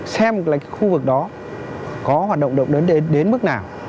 xem là cái khu vực đó có hoạt động động đất đến mức nào